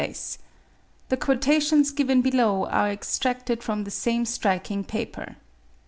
The quotations given below are extracted from the same striking paper.)